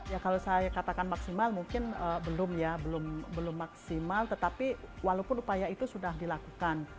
ya kalau saya katakan maksimal mungkin belum ya belum maksimal tetapi walaupun upaya itu sudah dilakukan